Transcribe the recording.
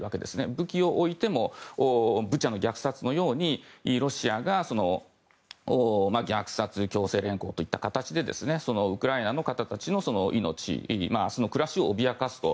武器を置いてもブチャの虐殺のようにロシアが虐殺強制連行といった形でウクライナの方たちの命や暮らしを脅かすと。